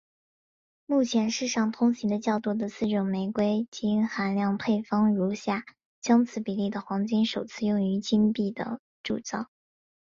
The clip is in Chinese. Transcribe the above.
目前世上通行的较多的四种玫瑰金含量配方如下将此比例的黄金首次用于金币的铸造。